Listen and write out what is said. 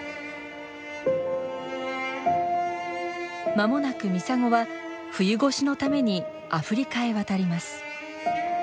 まもなくミサゴは冬越しのためにアフリカへ渡ります。